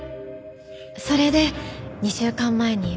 それで２週間前に。